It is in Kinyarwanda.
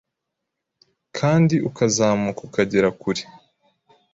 kandi ukazamuka ukagera kure